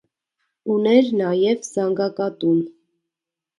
Ուներ նաև զանգակատուն։